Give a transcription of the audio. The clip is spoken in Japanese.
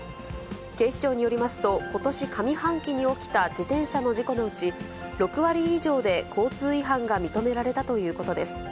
警視庁によりますとことし上半期に起きた自転車の事故のうち、６割以上で交通違反が認められたということです。